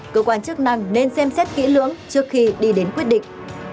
cơ quan chức năng nên xem xét kỹ lưỡng trước khi đi đến quyết định